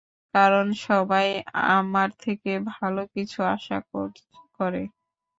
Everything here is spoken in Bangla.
কারণ সবাই আমার থেকে ভালো কিছু আশা করে।